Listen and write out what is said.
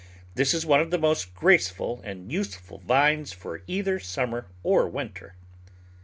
This is one of the most graceful and useful vines for either summer or winter.